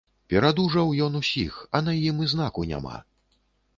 Перадужаў ён усіх, а на ім і знаку няма.